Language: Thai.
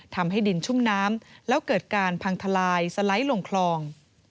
ทำให้ดินชุ่มน้ำแล้วเกิดการพังทลายสไลด์ลงคลอง